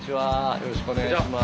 よろしくお願いします。